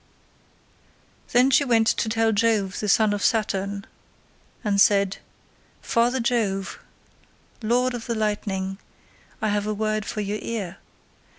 Then she went to tell Jove the son of Saturn, and said, 'Father Jove, lord of the lightning—I have a word for your ear.